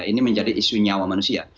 ini menjadi isu nyawa manusia